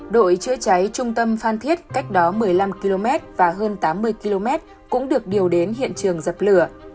đội chữa cháy trung tâm phan thiết cách đó một mươi năm km và hơn tám mươi km cũng được điều đến hiện trường dập lửa